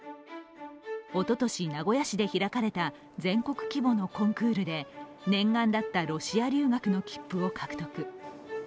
おととし名古屋市で開かれた全国規模のコンクールで念願だったロシア留学の切符を獲得。